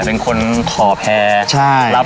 เป็นคนขอแพร่